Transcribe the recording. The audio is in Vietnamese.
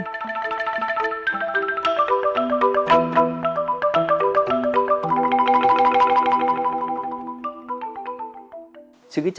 xin kính chào quý khán giả